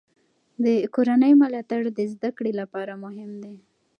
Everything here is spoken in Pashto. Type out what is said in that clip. د کورنۍ ملاتړ د زده کړې لپاره مهم دی.